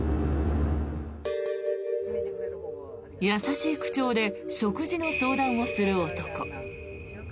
優しい口調で食事の相談をする男。